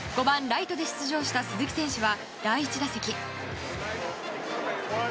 ５番ライトで出場した鈴木選手は第１打席。